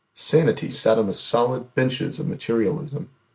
Sanity sat on the solid benches of materialism.